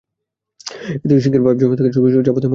এতে সিংকের পাইপে জমে থাকা চর্বিসহ যাবতীয় ময়লাও ধুয়ে চলে যাবে।